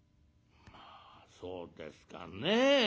「まあそうですかね。